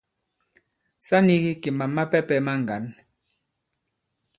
Sa nīgī kì màm mapɛ̄pɛ̄ ma ŋgǎn.